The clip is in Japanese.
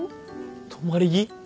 止まり木？